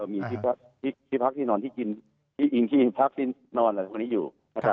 มีที่พักที่นอนที่กินที่อิ่งที่พักที่นอนอยู่